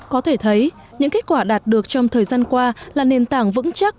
có thể thấy những kết quả đạt được trong thời gian qua là nền tảng vững chắc